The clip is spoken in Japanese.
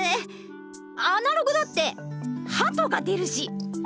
アナログだってハトが出るし！